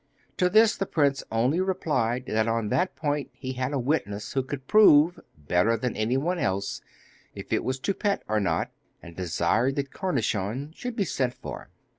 To this the prince only replied that on that point he had a witness who could prove, better than anyone else, if it was Toupette or not, and desired that Cornichon should be sent for.